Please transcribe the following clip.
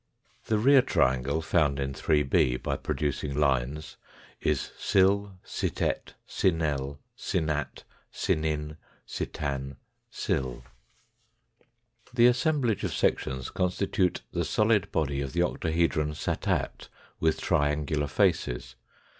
The rear triangle found in 3b by producing lines is sil, sitet, sinel, sinat, sinin, sitan, sil. The assemblage of sections constitute the solid body of the octahedron satat with triangular faces.